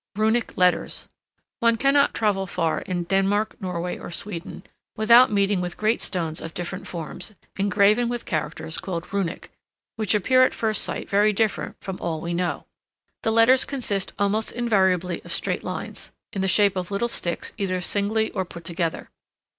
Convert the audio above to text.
RUNIC LETTERS One cannot travel far in Denmark, Norway, or Sweden without meeting with great stones of different forms, engraven with characters called Runic, which appear at first sight very different from all we know. The letters consist almost invariably of straight lines, in the shape of little sticks either singly or put together.